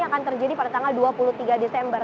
akan terjadi pada tanggal dua puluh tiga desember